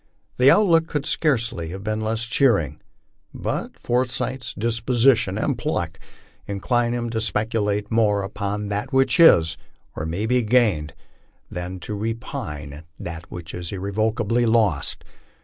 The outlook could scarcely have been less cheering. But Forsyth's disposition and pluck incline him to speculate more upon that which is, or may be gained, than to repine at that which is irrevoca bly lost.